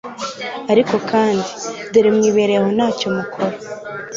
ariko kandi, dore mwibereye aho nta cyo mukora